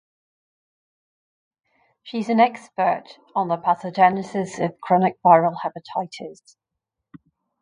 She is an expert on the pathogenesis of chronic viral hepatitis.